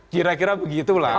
kira kira begitu lah